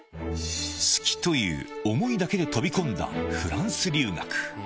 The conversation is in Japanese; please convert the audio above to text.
好きという思いだけで飛び込んだフランス留学。